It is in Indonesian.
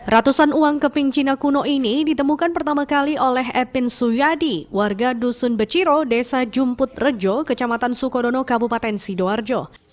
ratusan uang keping cina kuno ini ditemukan pertama kali oleh epin suyadi warga dusun beciro desa jumput rejo kecamatan sukodono kabupaten sidoarjo